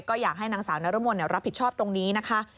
ก็อยากให้นางสาวนรมนรับผิดชอบตรงนี้นะคะ